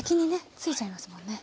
付いちゃいますもんね。